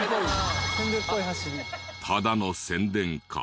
ただの宣伝か？